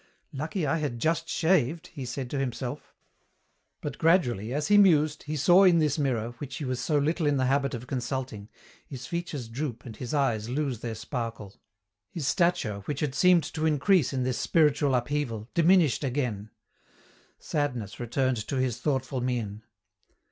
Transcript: "Lucky I had just shaved," he said to himself. But gradually, as he mused, he saw in this mirror, which he was so little in the habit of consulting, his features droop and his eyes lose their sparkle. His stature, which had seemed to increase in this spiritual upheaval, diminished again. Sadness returned to his thoughtful mien.